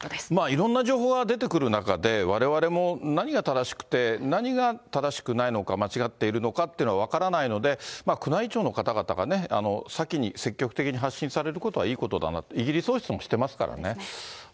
いろんな情報が出てくる中で、われわれも何が正しくて何が正しくないのか、間違っているのかっていうのは分からないので、宮内庁の方々がね、先に、積極的に発信されることはいいことだな、イギリス王室もしてますからね。